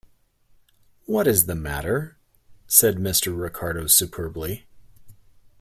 "What is the matter?" said Mr. Ricardo superbly.